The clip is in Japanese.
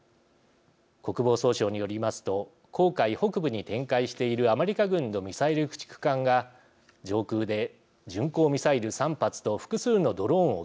国防総省によりますと紅海北部に展開しているアメリカ軍のミサイル駆逐艦が上空で巡航ミサイル３発と複数のドローンを撃墜。